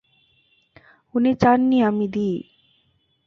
উনি চাননি আমি দিই।